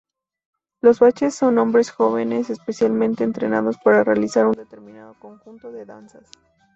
Los Baches son hombres jóvenes especialmente entrenados para realizar un determinado conjunto de danzas.